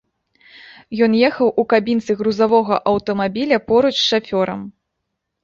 Ён ехаў у кабінцы грузавога аўтамабіля поруч з шафёрам.